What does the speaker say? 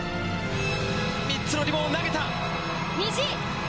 ３つのリボンを投げた。